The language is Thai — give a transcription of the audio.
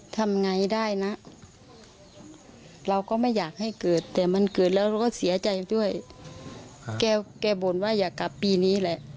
สำหรับจากนี้ต่อไปจะทำยังไงครับพี่